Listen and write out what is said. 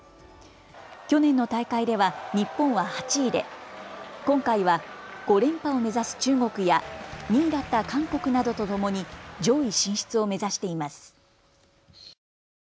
去年の大会では日本は８位で、今回は５連覇を目指す中国や２位だった韓国などとともに上位進出を目指しています。